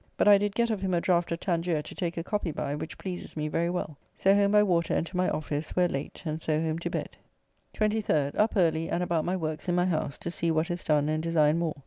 But I did get of him a draught of Tangier to take a copy by, which pleases me very well. So home by water and to my office, where late, and so home to bed. 23d. Up early, and about my works in my house, to see what is done and design more.